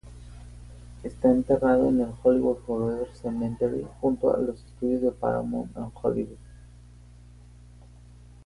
Está enterrado en el Hollywood Forever Cemetery, junto a los estudios Paramount, en Hollywood.